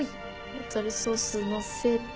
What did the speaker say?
タルタルソースのせて。